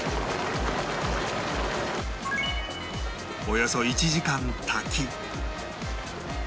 およそ１時間炊き